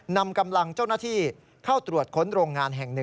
นำกำลังเจ้าหน้าที่เข้าตรวจค้นโรงงานแห่ง๑